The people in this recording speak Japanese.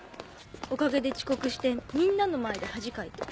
おかげで遅刻してみんなの前で恥かいて。